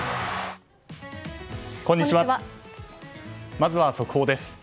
まずは速報です。